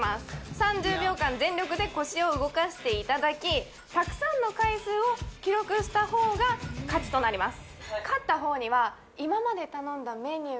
３０秒間全力で腰を動かしていただきたくさんの回数を記録したほうが勝ちとなります